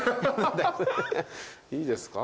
いいですか？